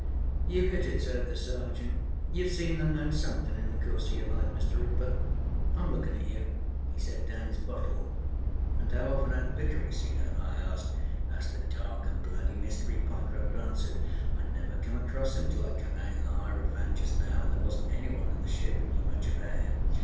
âYouâve hit it,â said the Sergeant. âYouâve seen anâ known somethinâ in the course oâ your life, Mr. Hooper. Iâm lookinâ at you!â He set down his bottle. âAnd how often had Vickery seen her?â I asked. âThatâs the dark anâ bloody mystery,â Pyecroft answered. âIâd never come across him till I come out in the Hierophant just now, anâ there wasnât any one in the ship who knew much about him.